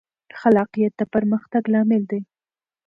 خلاقیت د پرمختګ لامل دی.